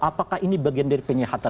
apakah ini bagian dari penyehatan